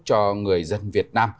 cho người dân việt nam